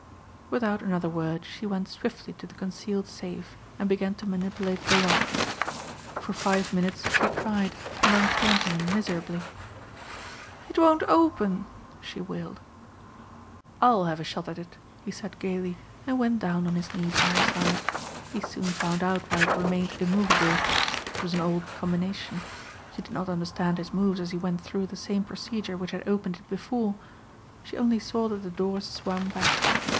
Without another word she went swiftly to the concealed safe and began to manipulate the lock. For five minutes she tried and then turned to him miserably. "It won't open," she wailed. "I'll have a shot at it," he said gaily, and went down on his knees by her side. He soon found out why it remained immovable. It was an old combination. She did not understand his moves as he went through the same procedure which had opened it before. She only saw that the doors swung back.